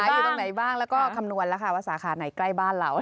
อยู่ตรงไหนบ้างแล้วก็คำนวณแล้วค่ะว่าสาขาไหนใกล้บ้านเรา